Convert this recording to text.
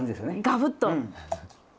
ガブッと。